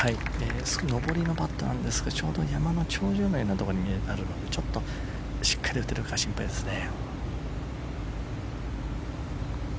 上りのパットなんですがちょうど山の頂上のようなところにあるのでちょっとしっかり打てるか心配ですね。